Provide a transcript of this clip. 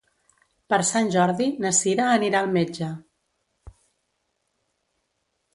Per Sant Jordi na Sira anirà al metge.